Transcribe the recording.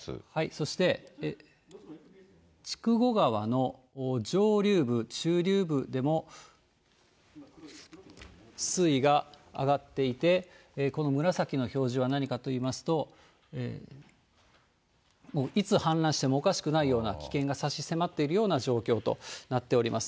そして、筑後川の上流部、中流部でも水位が上がっていて、この紫の表示は何かといいますと、もういつ氾濫してもおかしくないような危険が差し迫っているような状況となっております。